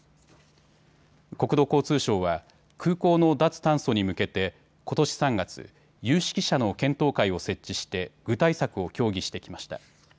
国土交通省は空港の脱炭素に向けてことし３月、有識者の検討会を設置して具体策を協議してきました。